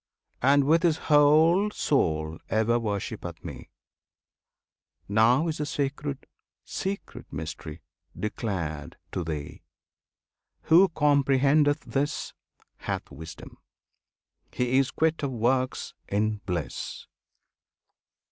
And with his whole soul ever worshippeth Me. Now is the sacred, secret Mystery Declared to thee! Who comprehendeth this Hath wisdom! He is quit of works in bliss!